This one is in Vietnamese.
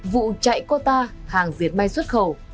vụ chạy quota hàng diệt may xuất khẩu